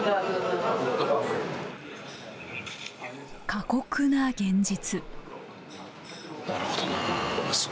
過酷な現実。